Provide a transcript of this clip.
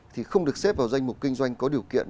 thì không được xếp vào danh mục kinh doanh có điều kiện